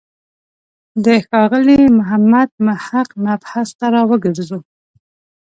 د ښاغلي محمد محق مبحث ته راوګرځو.